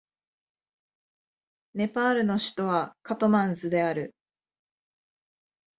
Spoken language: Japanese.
ネパールの首都はカトマンズである